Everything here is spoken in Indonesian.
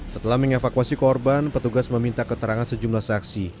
setelah mengevakuasi korban petugas meminta keterangan sejumlah saksi